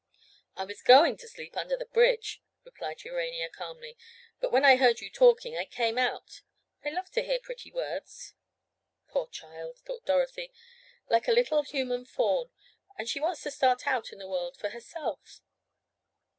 "I was going to sleep under the bridge," replied Urania calmly, "but when I heard you talking I came out. I love to hear pretty words." "Poor child," thought Dorothy, "like a little human fawn. And she wants to start out in the world for herself!"